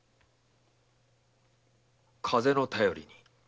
風の便りに。